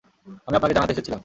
আমি আপনাকে জানাতে এসেছিলাম।